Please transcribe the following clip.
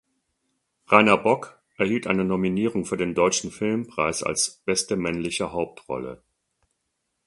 Rainer Bock erhielt eine Nominierung für den Deutschen Filmpreis als "Beste männliche Hauptrolle".